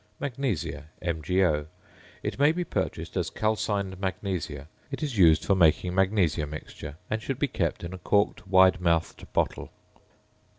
~Magnesia~, MgO. It may be purchased as "calcined magnesia." It is used for making "magnesia mixture," and should be kept in a corked wide mouthed bottle.